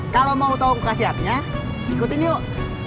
kalau mau tau ukasiatnya ikutin yuk